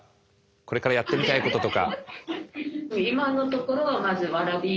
これからやってみたいこととか。